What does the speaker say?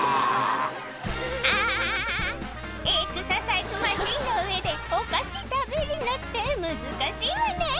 「アアアエクササイズマシンの上でお菓子食べるのって難しいわね」